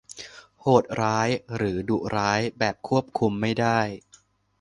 โหดร้ายหรือดุร้ายแบบควบคุมไม่ได้